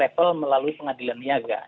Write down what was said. kepada first travel melalui pengadilan niaga